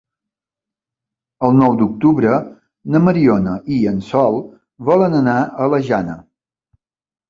El nou d'octubre na Mariona i en Sol volen anar a la Jana.